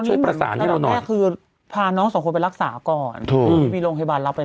ช่วยประสานให้เราหน่อยแม่คือพาน้องสองคนไปรักษาก่อนถูกมีโรงพยาบาลรับไป